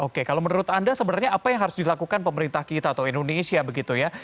oke kalau menurut anda sebenarnya apa yang harus dilakukan pemerintah kita atau indonesia begitu ya